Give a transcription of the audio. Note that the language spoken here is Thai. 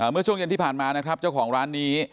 เมื่อช่วงเย็นที่ผ่านมานะครับเจ้าของร้านนี้